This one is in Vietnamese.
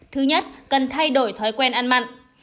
thứ nhất cần thay đổi thói quen ăn mặn